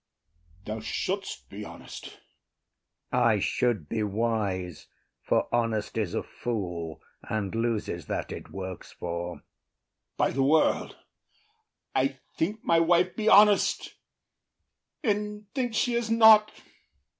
Thou shouldst be honest. IAGO. I should be wise; for honesty’s a fool, And loses that it works for. OTHELLO. By the world, I think my wife be honest, and think she is not.